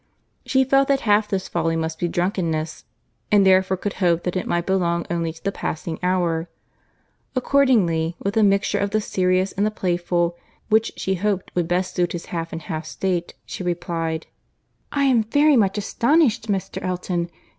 She felt that half this folly must be drunkenness, and therefore could hope that it might belong only to the passing hour. Accordingly, with a mixture of the serious and the playful, which she hoped would best suit his half and half state, she replied, "I am very much astonished, Mr. Elton.